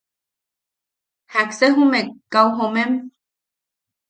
¿Jaksa jume kau jomem?